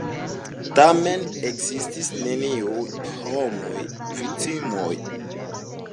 Tamen, ekzistis neniuj homaj viktimoj.